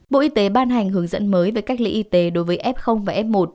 bộ y tế ban hành hướng dẫn mới về cách ly y tế đối với f và f một